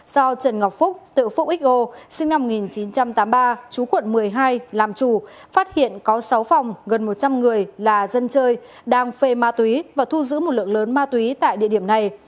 do trần ngọc phúc tự phúc ích o sinh năm một nghìn chín trăm tám mươi ba chú quận một mươi hai làm chủ phát hiện có sáu phòng gần một trăm linh người là dân chơi đang phê ma túy và thu giữ một lượng lớn ma túy tại địa điểm này